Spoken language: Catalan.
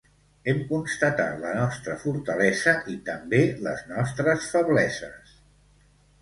Hem constatat la nostra fortalesa i també les nostres febleses.